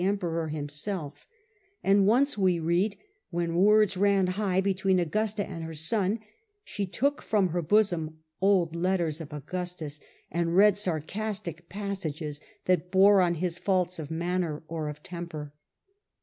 Emperor himself ; and once, we read, w^hen words ran high between Augusta and her son, she took from her bosom old letters of Augustus and read sarcastic passages that bore on his faults of manner or of temper.